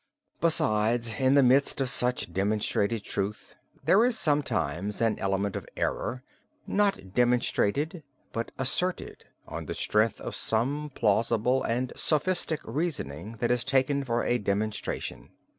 Besides, in the midst of much demonstrated truth there is sometimes an element of error, not demonstrated but asserted on the strength of some plausible and sophistic reasoning that is taken for a demonstration.